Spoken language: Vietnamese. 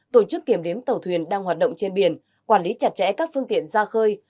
tổ chức kiểm đếm tàu thuyền đang hoạt động trên biển quản lý chặt chẽ các phương tiện ra khơi